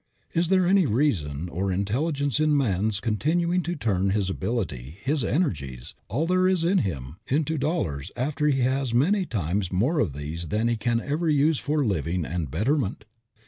Is there any reason or intelligence in a man's continuing to turn his ability, his energies, all there is in him, into dollars after he has many times more of these than he can ever use for living and betterment?